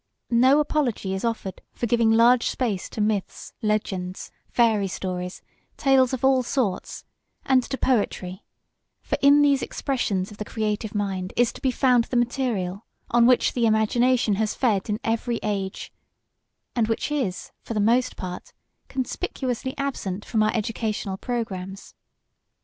No apology is offered for giving large space to myths, legends, fairy stories, tales of all sorts, and to poetry; for in these expressions of the creative mind is to be found the material on which the imagination has fed in every age and which is, for the most part, conspicuously absent from our educational programmes.